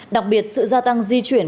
đặc biệt sự gia tăng di chuyển